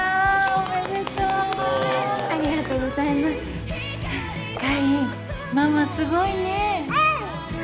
おめでとうおめでとうありがとうございます海ママすごいねうん！